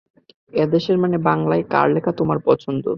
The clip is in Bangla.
এ দেশের-মানে বাংলায়, কার লেখা তোমার পছন্দ?